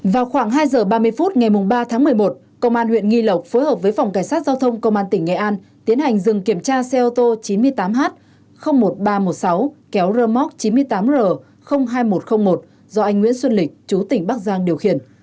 vào khoảng hai giờ ba mươi phút ngày ba tháng một mươi một công an huyện nghi lộc phối hợp với phòng cảnh sát giao thông công an tỉnh nghệ an tiến hành dừng kiểm tra xe ô tô chín mươi tám h một nghìn ba trăm một mươi sáu kéo rơ móc chín mươi tám r hai nghìn một trăm linh một do anh nguyễn xuân lịch chú tỉnh bắc giang điều khiển